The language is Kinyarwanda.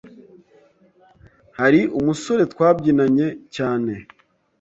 Hari umusore twabyinanye cyane